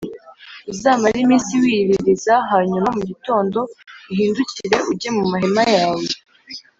Uzamare iminsi wiyiririza hanyuma mu gitondo uhindukire ujye mu mahema yawe